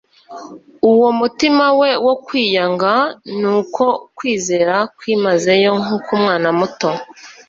Uwo mutima we wo kwiyanga n'uko kwizera kwimazeyo nk'uk'umwana muto,